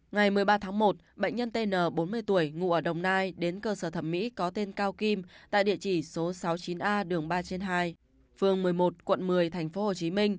ngày một mươi ba tháng một bệnh nhân tn bốn mươi tuổi ngụ ở đồng nai đến cơ sở thẩm mỹ có tên cao kim tại địa chỉ số sáu mươi chín a đường ba trên hai phường một mươi một quận một mươi tp hcm